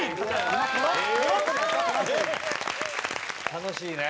楽しいね。